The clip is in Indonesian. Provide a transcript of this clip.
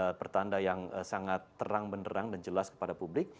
ini sudah merupakan pertanda yang sangat terang menerang dan jelas kepada publik